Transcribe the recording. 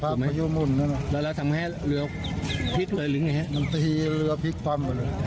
พายุบุ๋นใช่ไหมแล้วเราทำให้เรือพลิกเลยหรือไงครับมันสีเรือพลิกความกว่าเลย